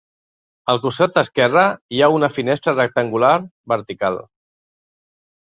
Al costat esquerre hi ha una finestra rectangular vertical.